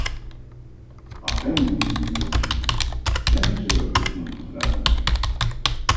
Αφέντη, μουρμούρισε, δεν ξέρω ποιος είναι ο αρχιστράτηγος.